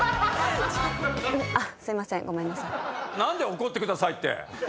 「怒ってください」って。